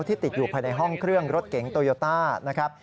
ที่ติดอยู่ภายในห้องเครื่องรถเก๋งโตโยต้า